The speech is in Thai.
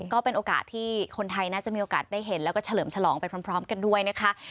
ก็เป็นโอกาสที่คนไทยน่าจะมีโอกาสได้เห็นแล้วก็เฉลิมฉลองไปพร้อมกันด้วยนะคะ